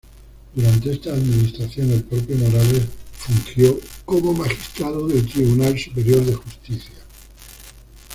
Durante esta administración, el propio Morales fungió como magistrado del Tribunal Superior de Justicia.